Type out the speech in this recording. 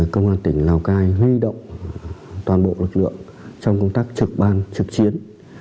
công an tỉnh hồ cài huy động toàn bộ lực lượng trong công tác trực ban trực chiến